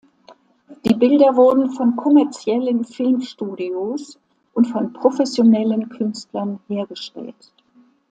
Die Bilder wurden von kommerziellen Filmstudios und von professionellen Künstlern hergestellt.